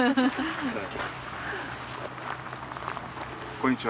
こんにちは。